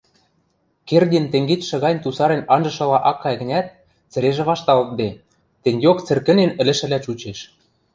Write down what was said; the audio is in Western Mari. Кердин тенгечшӹ гань тусарен анжышыла ак кай гӹнят, цӹрежӹ вашталтде, тенгеок цӹркӹнен ӹлӹшӹлӓ чучеш